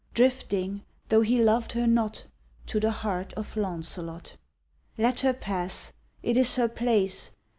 Drifting, though he loved her not, To the heart of Launcelot, Let her pass; it is her place.